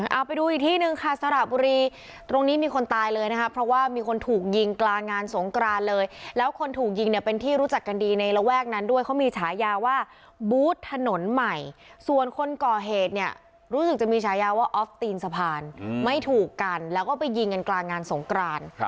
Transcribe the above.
เอาไปดูอีกที่หนึ่งค่ะสระบุรีตรงนี้มีคนตายเลยนะคะเพราะว่ามีคนถูกยิงกลางงานสงกรานเลยแล้วคนถูกยิงเนี่ยเป็นที่รู้จักกันดีในระแวกนั้นด้วยเขามีฉายาว่าบูธถนนใหม่ส่วนคนก่อเหตุเนี่ยรู้สึกจะมีฉายาว่าออฟตีนสะพานไม่ถูกกันแล้วก็ไปยิงกันกลางงานสงกราน